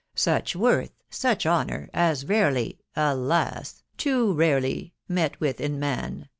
. Such worth, such honour, are rarely — alas ! too rarely — met with in man.